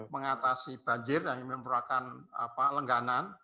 mengatasi banjir yang memperlukan apa lengganan